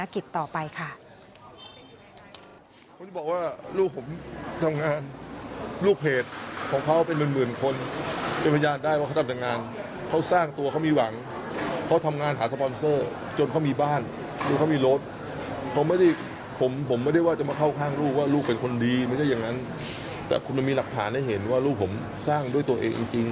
ครับเคยผมจะมีรักษณะให้เห็นว่าลูกผมสร้างด้วยตัวเองจริง